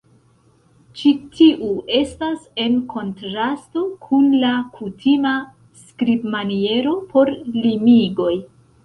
Ĉi tiu estas en kontrasto kun la kutima skribmaniero por limigoj.